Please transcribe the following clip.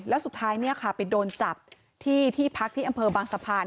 แล้วสุดท้ายเนี่ยค่ะไปโดนจับที่ที่พักที่อำเภอบางสะพาน